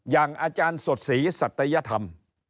อย่างอาจารย์สดศรีสัตยธรรม